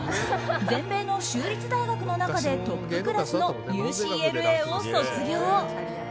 全米の州立大学の中でトップクラスのＵＣＬＡを卒業。